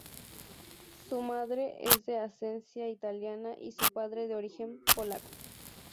Su madre es de ascendencia italiana y su padre de origen polaco.